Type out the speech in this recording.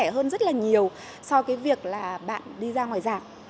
vì chi phí nó cũng rẻ hơn rất là nhiều so với việc bạn đi ra ngoài giảm